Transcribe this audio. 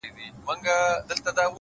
• په یوه آواز راووتل له ښاره,